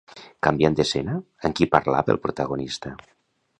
Canviant d'escena, amb qui parlava el protagonista?